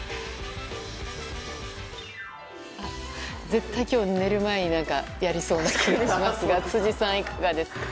絶対、今日寝る前にやりそうな気がしますが辻さん、いかがですか？